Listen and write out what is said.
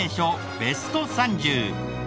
ベスト３０！